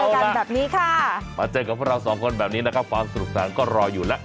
กันแบบนี้ค่ะมาเจอกับพวกเราสองคนแบบนี้นะครับความสนุกสนานก็รออยู่แล้ว